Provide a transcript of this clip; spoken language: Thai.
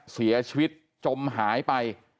เสียชีวิตจมหายไป